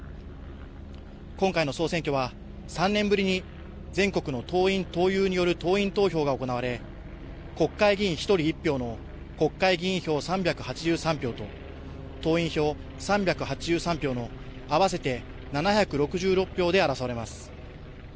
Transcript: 今回の総選挙は３年ぶりに全国の党員・党友による党員投票が行われ国会議員１人１票の国会議員票３８３票と党員票３８３票の合わせて７６６票で争われます。